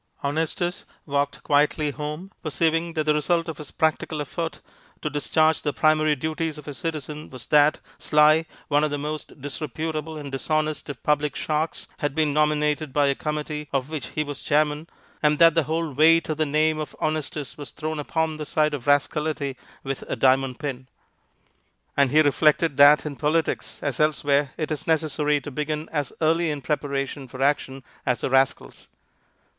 Honestus walked quietly home, perceiving that the result of his practical effort to discharge the primary duties of a citizen was that Sly, one of the most disreputable and dishonest of public sharks, had been nominated by a committee of which he was chairman, and that the whole weight of the name of Honestus was thrown upon the side of rascality with a diamond pin. And he reflected that in politics, as elsewhere, it is necessary to begin as early in preparation for action as the rascals.